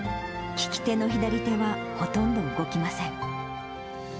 利き手の左手はほとんど動きません。